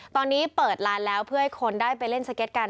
ตอนนี้เปิดร้านแล้วเพื่อให้คนได้ไปเล่นสเก็ตกัน